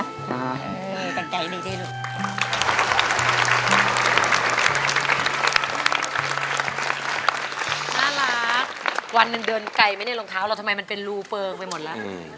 ไอหน้านึ่งเดินไก่ไม่ได้รองเทามันเป็นรูเปิ้ลไปหมดละ